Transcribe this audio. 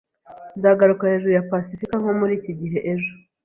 Nzaguruka hejuru ya pasifika nko muri iki gihe ejo